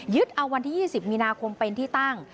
เอาวันที่๒๐มีนาคมเป็นที่ตั้ง